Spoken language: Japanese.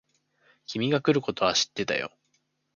君が来ることは知ってたよ。